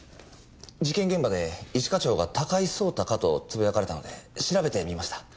事件現場で一課長が「高井蒼太か」とつぶやかれたので調べてみました。